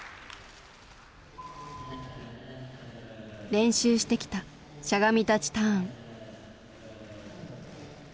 練習してきたしゃがみ立ちターン。